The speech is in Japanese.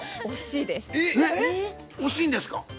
惜しいんですか？